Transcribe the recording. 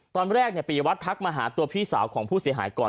ตอนแรกปียวัตรทักมาหาตัวพี่สาวของผู้เสียหายก่อน